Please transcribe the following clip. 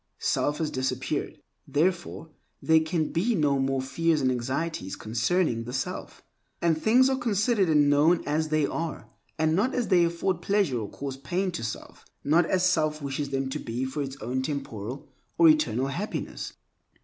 Self has disappeared. Therefore, there can be no more fears and anxieties concerning the self, and things are considered and known as they are, and not as they afford pleasure or cause pain to self, not as self wishes them to be for its own temporal or eternal happiness.